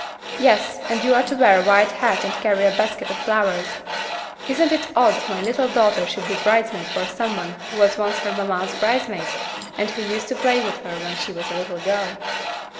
"Yes, and you are to wear a white hat and carry a basket of flowers. Isn't it odd that my little daughter should be bridesmaid for some one who was once her mamma's bridesmaid, and who used to play with her when she was a little girl?"